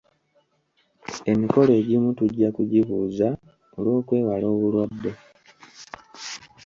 Emikolo egimu tujja kugibuuza olw'okwewala obulwadde.